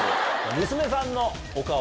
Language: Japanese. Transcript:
娘さんのお顔。